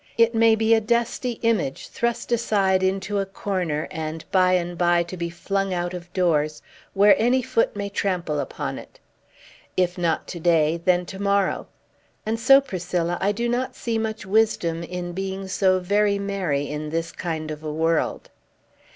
It may be a dusty image, thrust aside into a corner, and by and by to be flung out of doors, where any foot may trample upon it. If not to day, then to morrow! And so, Priscilla, I do not see much wisdom in being so very merry in this kind of a world."